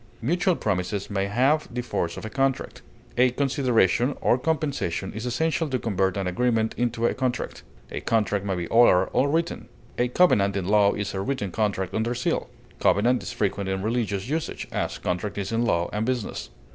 Mutual promises may have the force of a contract. A consideration, or compensation, is essential to convert an agreement into a contract. A contract may be oral or written. A covenant in law is a written contract under seal. Covenant is frequent in religious usage, as contract is in law and business.